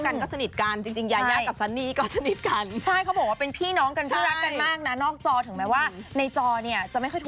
นิตชะคุณกับยายาเนี่ย